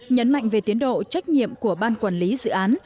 nhấn mạnh về tiến độ trách nhiệm của ban quản lý dự án